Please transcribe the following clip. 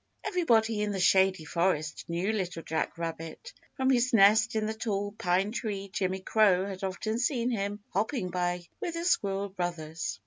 Everybody in the Shady Forest knew Little Jack Rabbit. From his nest in the Tall Pine Tree Jimmy Crow had often seen him hopping by with the Squirrel Brothers.